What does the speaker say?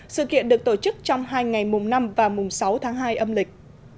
sự kiện được tổ chức trong hai ngày mùng năm và mùng sáu tháng hai âm lịch